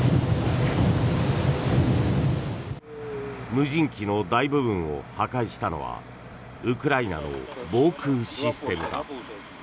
無人機の大部分を破壊したのはウクライナの防空システムだ。